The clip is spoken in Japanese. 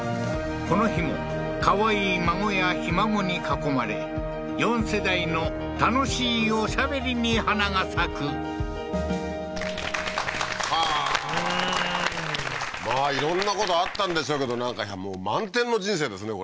この日もかわいい孫やひ孫に囲まれ４世代の楽しいおしゃべりに花が咲くはあーうんまあ色んなことあったんでしょうけどなんかもう満点の人生ですね